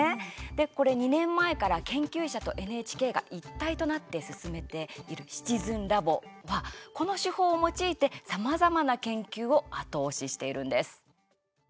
これ２年前から研究者とＮＨＫが一体となって進めている「シチズンラボ」はこの手法を用いてさまざまな研究を後押ししているんです。